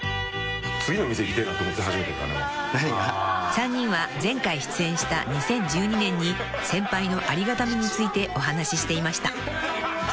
［３人は前回出演した２０１２年に先輩のありがたみについてお話ししていました］